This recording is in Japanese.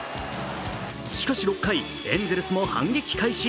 しかし６回、エンゼルスも反撃開始。